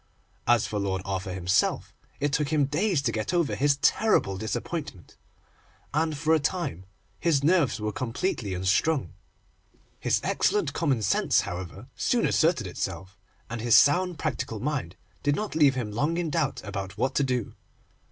As for Lord Arthur himself, it took him days to get over his terrible disappointment, and for a time his nerves were completely unstrung. His excellent common sense, however, soon asserted itself, and his sound, practical mind did not leave him long in doubt about what to do.